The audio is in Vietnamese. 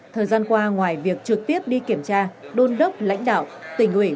thời gian qua ngoài việc trực tiếp đi kiểm tra đôn đốc lãnh đạo tỉnh ủy